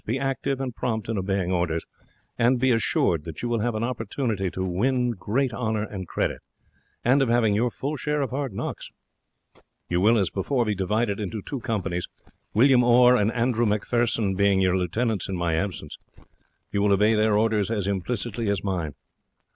Be active and prompt in obeying orders, and be assured that you will have opportunities of winning great honour and credit, and of having your full share of hard knocks. You will, as before, be divided into two companies, William Orr and Andrew Macpherson being your lieutenants in my absence. You will obey their orders as implicitly as mine.